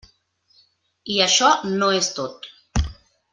I això no és tot.